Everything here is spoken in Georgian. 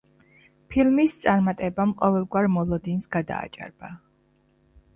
ფილმის წარმატებამ ყოველგვარ მოლოდინს გადააჭარბა.